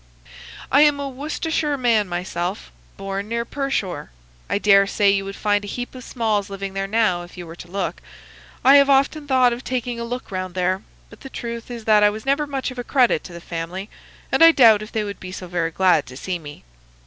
"I am a Worcestershire man myself,—born near Pershore. I dare say you would find a heap of Smalls living there now if you were to look. I have often thought of taking a look round there, but the truth is that I was never much of a credit to the family, and I doubt if they would be so very glad to see me.